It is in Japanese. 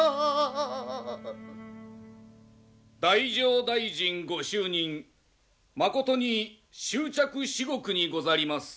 太政大臣ご就任まことに祝着至極にござります。